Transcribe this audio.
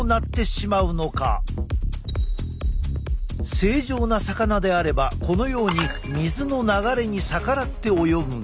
正常な魚であればこのように水の流れに逆らって泳ぐが。